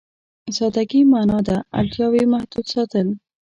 سادهګي معنا ده اړتياوې محدود ساتل.